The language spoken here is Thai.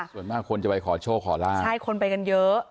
ส่วนมากคนจะไปขอโชคขอลาบใช่คนไปกันเยอะ